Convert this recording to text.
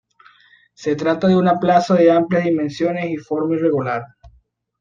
Se trata de una plaza de amplias dimensiones y forma irregular.